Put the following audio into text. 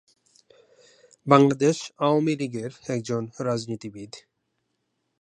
বাংলাদেশ আওয়ামী লীগের একজন রাজনীতিবিদ।